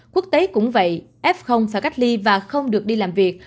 quốc tế cũng vậy f phải cách ly và không được đi làm việc